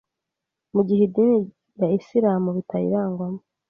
mu gihe idini ya Islam bitayirangwamo